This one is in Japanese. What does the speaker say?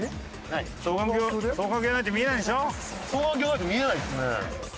双眼鏡がないと見えないですね。